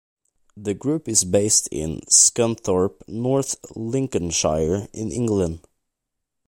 The group is based in Scunthorpe, North Lincolnshire in England.